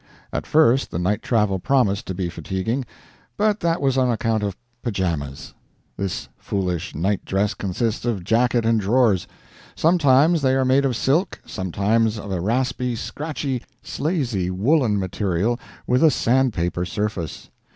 At first the night travel promised to be fatiguing, but that was on account of pyjamas. This foolish night dress consists of jacket and drawers. Sometimes they are made of silk, sometimes of a raspy, scratchy, slazy woolen material with a sandpaper surface.